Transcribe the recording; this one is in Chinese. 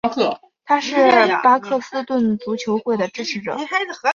他是巴克斯顿足球会的支持者。